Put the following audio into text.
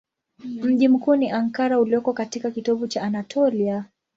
Mji mkuu ni Ankara ulioko katika kitovu cha Anatolia.